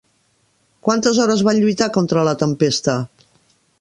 Quantes hores van lluitar contra la tempesta?